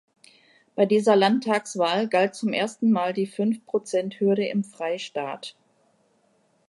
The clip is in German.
Bei dieser Landtagswahl galt zum ersten Mal die Fünf-Prozent-Hürde im Freistaat.